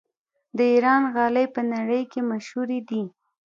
د ایران غالۍ په نړۍ کې مشهورې دي.